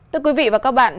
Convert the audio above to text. thưa quý vị và các bạn